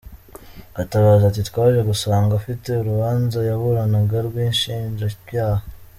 Gatabazi ati “Twaje gusanga afite urubanza yaburanaga rw’inshinjabyaha .